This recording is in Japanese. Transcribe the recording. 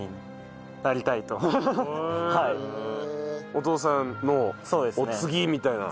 お父さんを継ぎみたいな。